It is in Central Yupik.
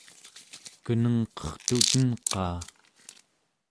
kenengqertuten-qaa?